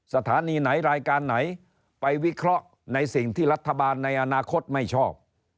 สถานีไหนรายการไหนไปวิเคราะห์ในสิ่งที่รัฐบาลในอนาคตไม่ชอบ